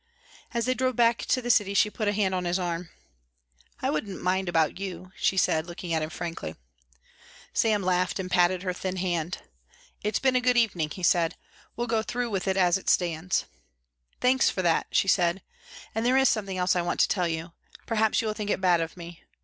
As they drove back to the city she put a hand on his arm. "I wouldn't mind about you," she said, looking at him frankly. Sam laughed and patted her thin hand. "It's been a good evening," he said, "we'll go through with it as it stands." "Thanks for that," she said, "and there is something else I want to tell you. Perhaps you will think it bad of me.